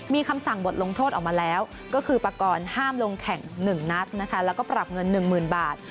มีคำสั่งบทลงโทษออกมาแล้วก็คือปากรห้ามลงแข่ง๑นัดนะคะแล้วก็ปรับเงิน๑๐๐๐บาท